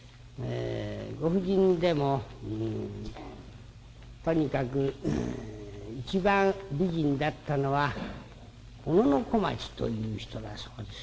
ご婦人でもとにかく一番美人だったのは小野小町という人だそうですな。